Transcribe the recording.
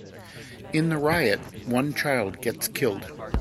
In the riot, one child gets killed.